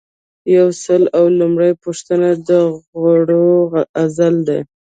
یو سل او لومړۍ پوښتنه د غړو عزل دی.